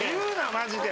マジで。